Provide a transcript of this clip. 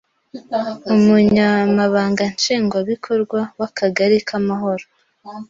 Umunyamabanga Nshingabikorwa w’Akagari k’ Amahoro